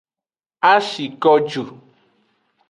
A shi ko ju.